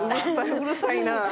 うるさいなぁ。